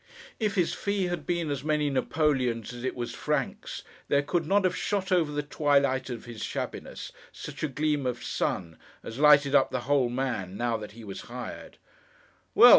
If his fee had been as many napoleons as it was francs, there could not have shot over the twilight of his shabbiness such a gleam of sun, as lighted up the whole man, now that he was hired. 'Well!